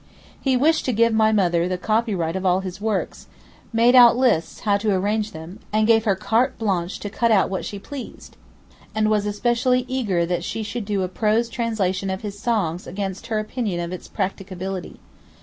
He wished to give my mother the copyright of all his works, made out lists how to arrange them, and gave her carte blanche to cut out what she pleased, and was especially eager that she should do a prose translation of his songs against her opinion of its practicability.